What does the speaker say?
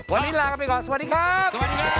วันนี้ลากันไปก่อนสวัสดีครับ